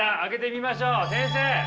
先生。